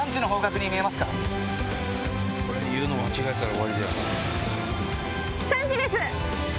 これ言うの間違えたら終わりだよな。